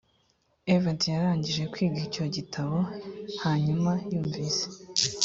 edvard yarangije kwiga icyo gitabo hanyuma yumvise